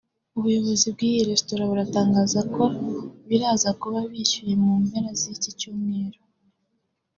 ubuyobozi bw’iyi Resitora buratangaza ko biraza kuba bishyuhsye mu mpera z’iki cyumweru